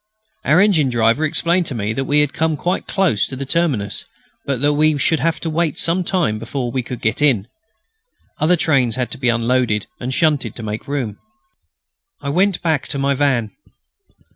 Our engine driver explained to me that we had come quite close to the terminus, but that we should have to wait some time before we could get in. Other trains had to be unloaded and shunted to make room. I went back to my van.